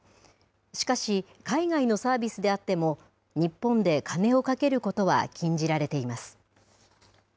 しかし、海外のサービスであっても、日本で金を賭けることは禁じられています。